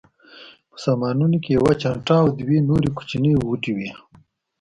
په سامانونو کې یوه چانټه او دوه نورې کوچنۍ غوټې وې.